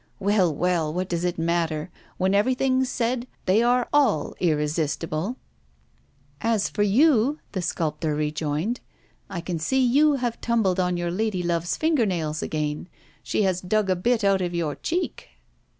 'Well, well, what does it matter? When everything's said, they are all irresistible.' 'As for you,' the sculptor rejoined, 'I can see you have tumbled on your lady love's finger nails again. She has dug a bit out of your cheek!